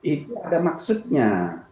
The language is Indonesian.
itu ada maksudnya